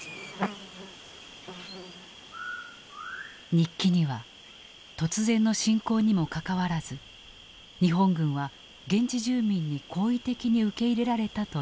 日記には突然の侵攻にもかかわらず日本軍は現地住民に好意的に受け入れられたと記されていた。